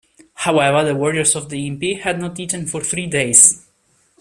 However, the warriors of the impi had not eaten for three days.